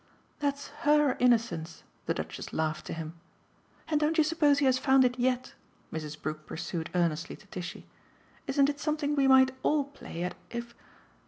"That's HER innocence!" the Duchess laughed to him. "And don't you suppose he has found it YET?" Mrs. Brook pursued earnestly to Tishy. "Isn't it something we might ALL play at if